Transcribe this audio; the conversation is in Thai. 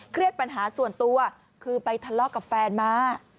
ปัญหาส่วนตัวคือไปทะเลาะกับแฟนมา